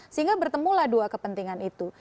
sehingga bertemulah dua kepentingan itu